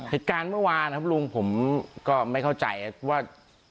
เหตุการณ์เมื่อวานนะครับลุงผมก็ไม่เข้าใจว่า